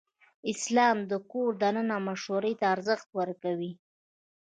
اسلام د کور دننه مشورې ته ارزښت ورکوي.